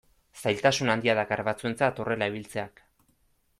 Zailtasun handia dakar batzuentzat horrela ibiltzeak.